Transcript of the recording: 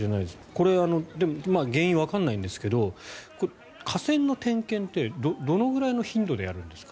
これ、原因わからないんですが架線の点検ってどのぐらいの頻度でやるんですか？